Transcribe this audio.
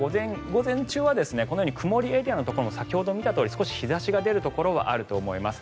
午前中はこのように曇りエリアのところも先ほど見たとおり少し日差しが出るところがあると思います。